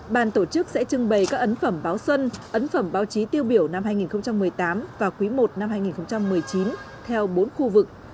bàn tổ chức sẽ trưng bày các ấn phẩm báo xuân ấn phẩm báo chí tiêu biểu năm hai nghìn một mươi tám và quý i năm hai nghìn một mươi chín theo bốn khu vực